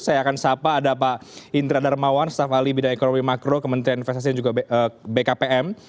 saya akan sapa ada pak indra darmawan staf ahli bidang ekonomi makro kementerian investasi dan juga bkpm